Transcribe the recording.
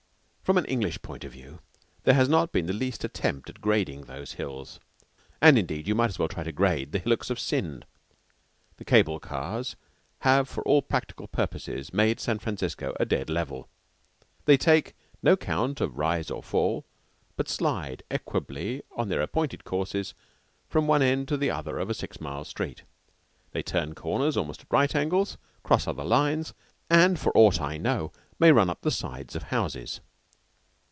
From an English point of view there has not been the least attempt at grading those hills, and indeed you might as well try to grade the hillocks of Sind. The cable cars have for all practical purposes made San Francisco a dead level. They take no count of rise or fall, but slide equably on their appointed courses from one end to the other of a six mile street. They turn corners almost at right angles, cross other lines, and for aught I know may run up the sides of houses.